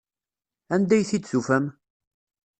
Anda ay t-id-tufam?